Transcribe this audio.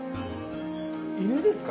犬ですか？